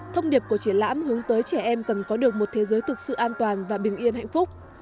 thông điệp của triển lãm hướng tới trẻ em cần có được một thế giới thực sự an toàn và bình yên hạnh phúc